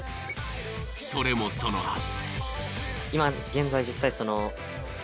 それもそのはず。